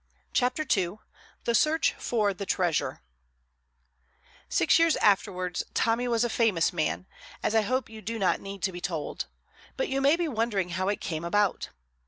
CHAPTER II THE SEARCH FOR THE TREASURE Six years afterwards Tommy was a famous man, as I hope you do not need to be told; but you may be wondering how it came about.